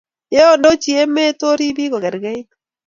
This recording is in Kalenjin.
yeandochi emet oriib biik kokerkeit